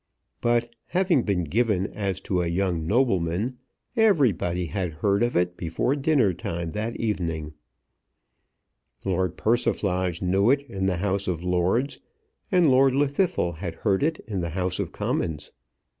But, having been given as to a young nobleman, everybody had heard of it before dinner time that evening. Lord Persiflage knew it in the House of Lords, and Lord Llwddythlw had heard it in the House of Commons.